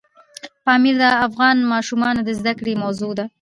پامیر د افغان ماشومانو د زده کړې موضوع ده.